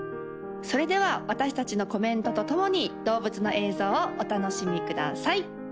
それでは私達のコメントとともに動物の映像をお楽しみください